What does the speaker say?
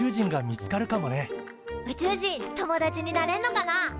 宇宙人友達になれんのかな？